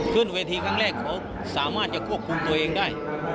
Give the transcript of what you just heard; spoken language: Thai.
ขึ้นเวทีครั้งแรกเขาสามารถจะควบคุมตัวเองได้